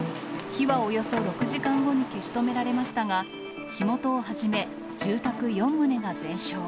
火はおよそ６時間後に消し止められましたが、火元をはじめ、住宅４棟が全焼。